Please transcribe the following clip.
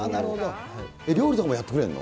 料理とかもやってくれるの？